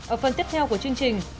ở phần tiếp theo của chương trình